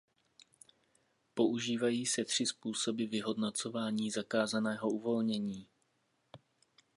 Používají se tři způsoby vyhodnocování zakázaného uvolnění.